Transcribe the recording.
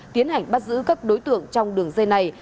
tiến hành bắt giữ các đối tượng trong đường dây này